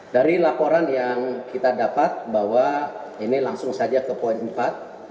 dari laporan yang kita dapat bahwa ini langsung saja ke poin empat